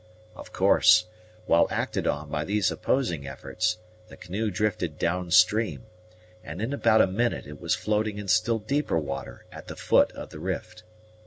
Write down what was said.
Of course, while acted on by these opposing efforts, the canoe drifted down stream, and in about a minute it was floating in still deeper water at the foot of the rift.